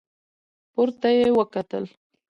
پورته يې وکتل.